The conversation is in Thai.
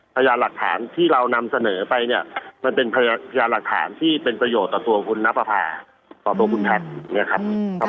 พยานหลักฐานที่เรานำเสนอไปเนี่ยมันเป็นพยานหลักฐานที่เป็นประโยชน์ต่อตัวคุณนับประพาต่อตัวคุณทัศน์นะครับ